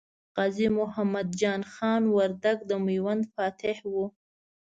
غازي محمد جان خان وردګ د میوند فاتح و.